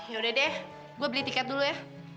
yaudah deh gue beli tiket dulu ya